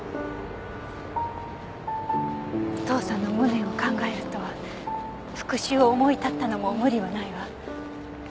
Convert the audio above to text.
お父さんの無念を考えると復讐を思い立ったのも無理はないわ。